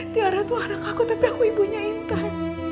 tiara tuh anak aku tapi aku ibunya intan